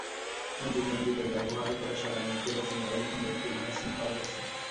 কিন্তু জঙ্গিদের ব্যবহার করা সাদা মাইক্রোবাসে মোবাইল ফোনের একটি ভাঙা সিম পাওয়া গেছে।